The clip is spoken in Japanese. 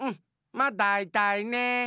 まだいたいねえ！